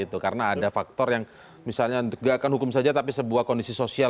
ini kan ada pengaruhnya